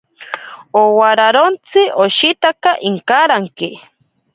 Owararontsi ashitaka inkaranke.